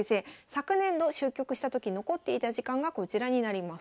昨年度終局した時残っていた時間がこちらになります。